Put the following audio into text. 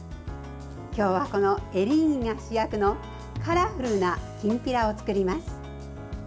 今日は、このエリンギが主役のカラフルなきんぴらを作ります。